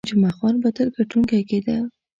جمعه خان به تل ګټونکی کېده.